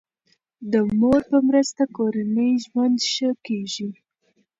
د مور په مرسته کورنی ژوند ښه کیږي.